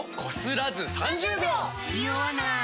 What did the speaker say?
ニオわない！